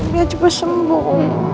dia cuma sembuh